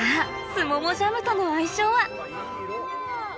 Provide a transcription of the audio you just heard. スモモジャムとの相性は？